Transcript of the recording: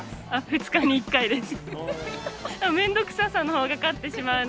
２日に１回です。